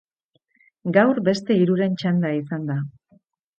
Gaur, beste hiruren txanda izan da.